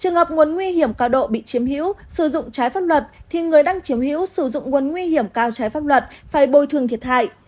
trường hợp nguồn nguy hiểm cao độ bị chiếm hữu sử dụng trái pháp luật thì người đăng chiếm hữu sử dụng nguồn nguy hiểm cao trái pháp luật phải bồi thường thiệt hại